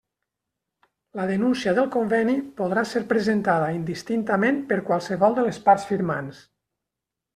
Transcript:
La denúncia del conveni podrà ser presentada indistintament per qualsevol de les parts firmants.